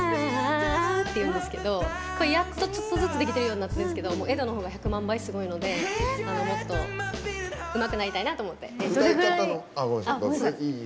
やっとちょっとずつできてるようになったんですけどエドのほうが１００万倍すごいのでもっとうまくなりたいなと思って。